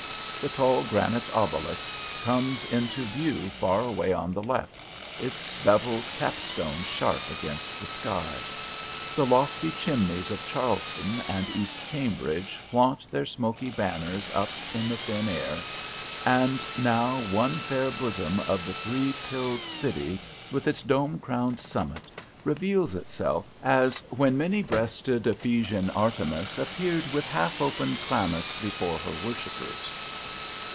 The tall granite obelisk comes into view far away on the left, its bevelled cap stone sharp against the sky; the lofty chimneys of Charlestown and East Cambridge flaunt their smoky banners up in the thin air; and now one fair bosom of the three pilled city, with its dome crowned summit, reveals itself, as when many breasted Ephesian Artemis appeared with half open chlamys before her worshippers.